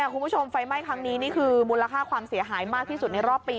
คุณผู้ชมไฟไหม้ครั้งนี้นี่คือมูลค่าความเสียหายมากที่สุดในรอบปี